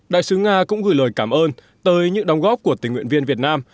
đại sứ nga cũng gửi lời cảm ơn tới những đóng góp của tình nguyện viên việt nam